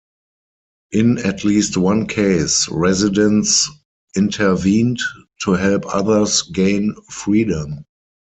In at least one case, residents intervened to help others gain freedom.